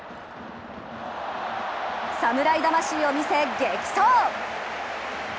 侍魂を見せ、激走！